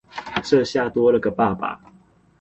這下多了個爸爸